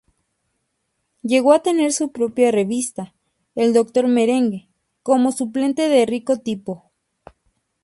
Llegó a tener su propia revista, El Doctor Merengue, como suplemento de Rico Tipo.